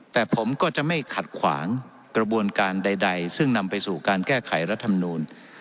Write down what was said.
แต่ผมก็จะไม่ขัดขวางกระบวนการใดซึ่งนำไปสู่การแก้ไขรัฐมนูล